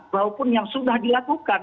bahupun yang sudah dilakukan